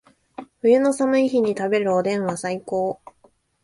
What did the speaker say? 冬の寒い日に食べるおでんは最高